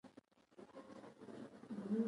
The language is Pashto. که ګاونډي ته ناپوهه شي، ورته وضاحت ورکړه